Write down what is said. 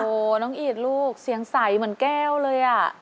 โอ้โหน้องอีดลูกเสียงใสเหมือนแก้วเลยอ่ะ